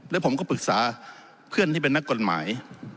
แล้วผมก็ปรึกษาเพื่อนที่เป็นนักกฎหมาย